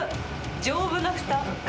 丈夫なふた。